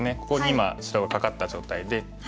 ここに今白がカカった状態で。